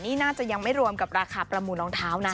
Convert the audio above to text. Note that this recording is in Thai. นี่น่าจะยังไม่รวมกับราคาประมูลรองเท้านะ